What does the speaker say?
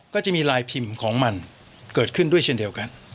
ก็จะมีลายพิมพ์ของมันเกิดขึ้นด้วยเช่นเดียวกัน